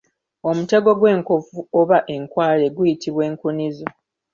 Omutego gwenkofu oba enkwale guyitibwa Enkunizo.